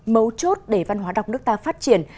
mấu chốt để văn hóa đọc nước ta phát triển